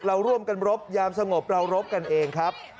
เราร่วมกันรบยามสงบเรารบกันเองครับ